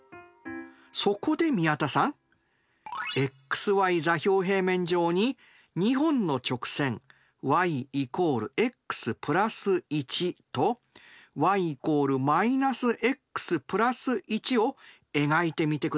そこで宮田さんｘｙ座標平面上に２本の直線ｙ＝ｘ＋１とｙ＝−ｘ＋１を描いてみてください。